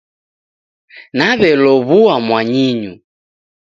Naw'elow'ua mwanyinyu.